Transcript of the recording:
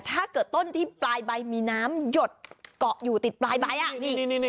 ถ้าเกิดต้นที่ปลายใบมีน้ำหยดเกาะอยู่ติดปลายใบอ่ะนี่